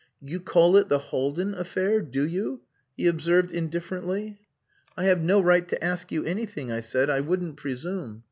"You call it the Haldin affair do you?" he observed indifferently. "I have no right to ask you anything," I said. "I wouldn't presume.